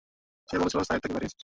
সে বলেছিল, সায়েদ তাকে পাঠিয়েছে।